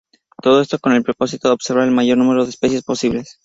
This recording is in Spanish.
Todo esto con el propósito de observar el mayor número de especies posible.